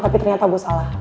tapi ternyata gue salah